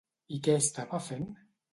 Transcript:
I què estava fent?